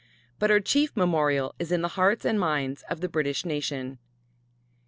But her chief memorial is in the hearts and minds of the British nation.